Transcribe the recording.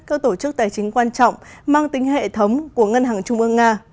các tổ chức tài chính quan trọng mang tính hệ thống của ngân hàng trung ương nga